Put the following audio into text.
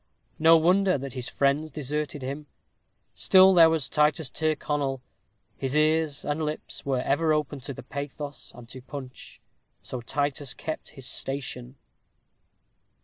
No wonder that his friends deserted him; still there was Titus Tyrconnel; his ears and lips were ever open to pathos and to punch; so Titus kept his station.